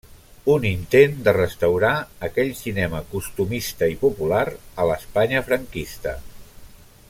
Un intent de restaurar aquell cinema costumista i popular a l'Espanya franquista.